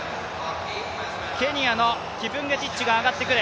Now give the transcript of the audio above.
ケニアのキプンゲティッチが上がってくる。